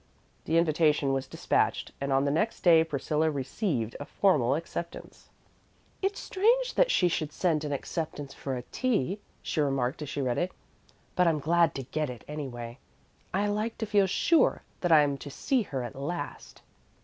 The invitation was despatched, and on the next day Priscilla received a formal acceptance. "It's strange that she should send an acceptance for a tea," she remarked as she read it, "but I'm glad to get it, anyway. I like to feel sure that I'm to see her at last."